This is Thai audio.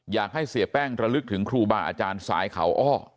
อยากให้เสียแป้งระลึกถึงครูบาอาจารย์สายเขาอ้อ